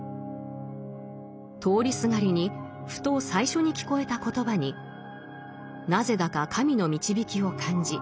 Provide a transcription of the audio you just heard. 通りすがりにふと最初に聞こえた言葉になぜだか神の導きを感じ